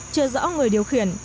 chưa rõ người điều khiển